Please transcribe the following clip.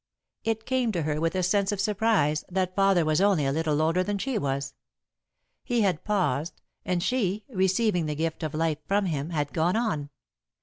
It came to her with a sense of surprise that father was only a little older than she was; he had paused, and she, receiving the gift of life from him, had gone on.